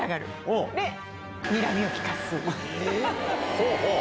ほうほう！